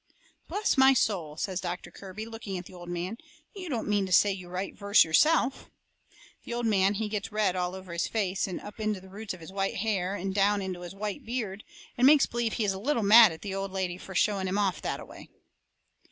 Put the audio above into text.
"Bless my soul," says Doctor Kirby, looking at the old man, "you don't mean to say you write verse yourself?" The old man, he gets red all over his face, and up into the roots of his white hair, and down into his white beard, and makes believe he is a little mad at the old lady fur showing him off that a way.